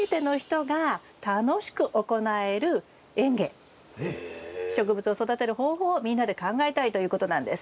例えば植物を育てる方法をみんなで考えたいということなんです。